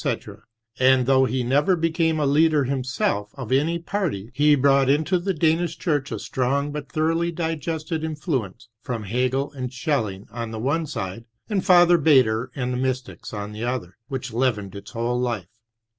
— and, though he never became a leader himself of any party, he brought into the Danish Church a strong but thoroughly di gested influence from Hegel and Schelling on the one side, and Fr. BaiSer and the mystics on the other, which leavened its whole life.